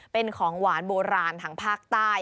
เป็นของหวานโบราณทางภาคใต้